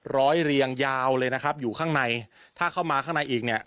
เรียงยาวเลยนะครับอยู่ข้างในถ้าเข้ามาข้างในอีกเนี่ย